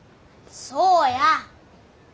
そうや！